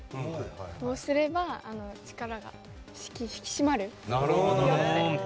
そうすれば力が引き締まると。